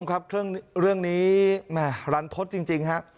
ขอบคุณครับเรื่องนี้รันทศจริงครับ